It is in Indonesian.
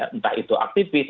entah itu aktivitas